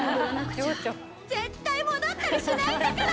絶対戻ったりしないんだから！